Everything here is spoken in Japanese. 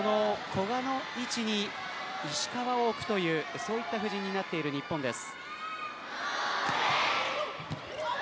その位置に石川を置く布陣になっている日本です。